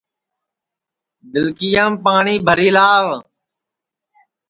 دِلکِیام پاٹؔی بھری لاو